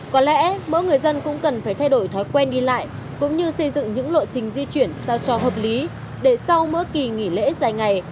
có lẽ mỗi người dân cũng cần phải thay đổi thói quen đi lại cũng như xây dựng những lộ trình di chuyển sao cho hợp lý để sau mỗi kỳ nghỉ lễ dài ngày